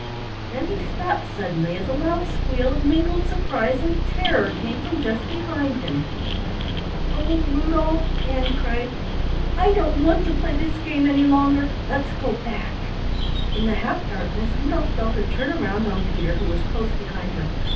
Then he stopped suddenly as a loud squeal of mingled surprise and terror came from just behind him. "Oh, Rudolf," Ann cried, "I don't want to play this game any longer let's go back!" In the half darkness Rudolf felt her turn round on Peter, who was close behind her.